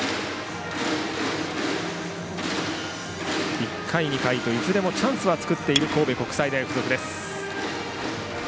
１回、２回といずれもチャンスを作っている神戸国際大付属。